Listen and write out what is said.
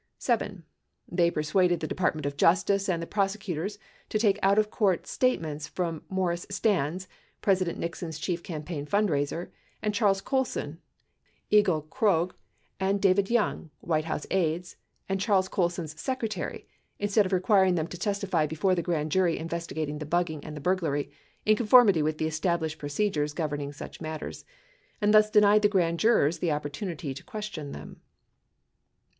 They persuaded the Department of Justice and the prosecutors to take out of court statements from Maurice Stans, President Nixon's chief campaign fundraiser, and Charles Colson, Egil Ivrogh, and David Young, "White House aides, and Charles Colson's secretary, instead of requiring them to testify before the grand jury investigating the bugging and the burglary in conformity with the established pro cedures governing such matters, and thus denied the grand jurors the opportunity to question them.